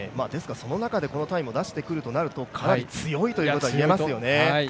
その中でこのタイムを出してくるとなるとかなり強いということはいえますよね。